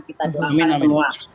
kita doakan semua